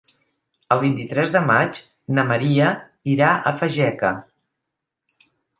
El vint-i-tres de maig na Maria irà a Fageca.